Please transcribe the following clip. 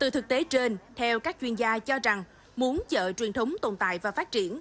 thực tế trên theo các chuyên gia cho rằng muốn chợ truyền thống tồn tại và phát triển